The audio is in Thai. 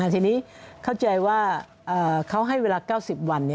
ทีนี้เข้าใจว่าเขาให้เวลา๙๐วัน